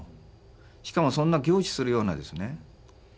しかもそんな凝視するようなですね